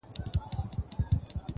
هغه ښه دي نه چي ستا پر عقل سم وي،